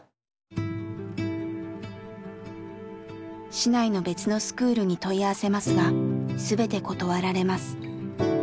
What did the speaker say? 市内の別のスクールに問い合わせますが全て断られます。